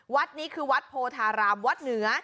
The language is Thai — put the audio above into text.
วัดนี้คือวัดโพธารามวัดเหนือ